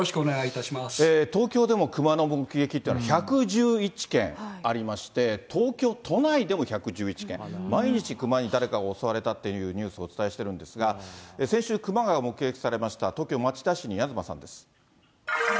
東京でもクマの目撃というのが１１１件ありまして、東京都内でも１１１件、毎日、クマに誰かが襲われたっていうニュースをお伝えしてるんですが、先週、クマが目撃されました東京・町田市に東さんです。